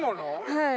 はい。